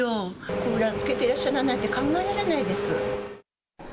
クーラーつけていらっしゃらないなんて考えられないです。